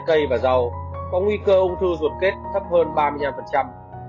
trái cây và rau có nguy cơ ung thư ruột kết thấp hơn ba mươi năm